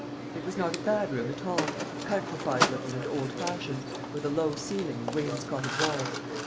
It was not a bad room at all: countrified looking and old fashioned, with a low ceiling and wainscoted walls.